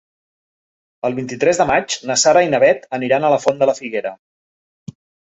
El vint-i-tres de maig na Sara i na Bet aniran a la Font de la Figuera.